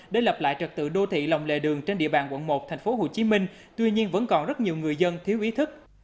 để lập lại trật tự đô thị lòng lệ đường trên địa bàn quận một tp hcm tuy nhiên vẫn còn rất nhiều người dân thiếu ý thức